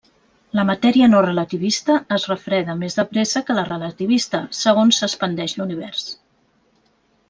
La matèria no relativista es refreda més de pressa que la relativista, segons s'expandeix l'univers.